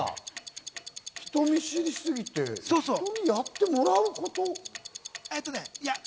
人見知りすぎて、やってもらうこと。